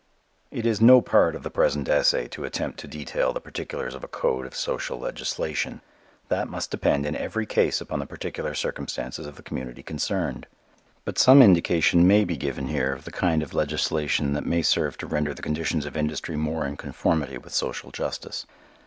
It is no part of the present essay to attempt to detail the particulars of a code of social legislation. That must depend in every case upon the particular circumstances of the community concerned. But some indication may be given here of the kind of legislation that may serve to render the conditions of industry more in conformity with social justice.